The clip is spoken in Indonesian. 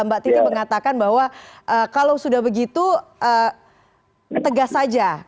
mbak titi mengatakan bahwa kalau sudah begitu tegas saja